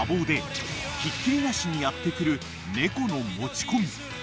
［ひっきりなしにやって来る猫の持ち込み］